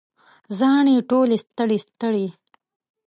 زاڼې ټولې ستړي، ستړي